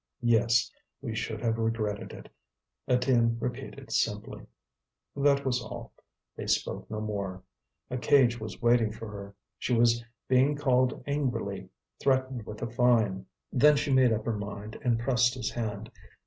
"Yes, we should have regretted it," Étienne repeated, simply. That was all; they spoke no more. A cage was waiting for her; she was being called angrily, threatened with a fine. Then she made up her mind, and pressed his hand.